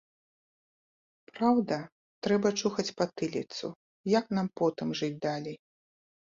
Праўда, трэба чухаць патыліцу, як нам потым жыць далей.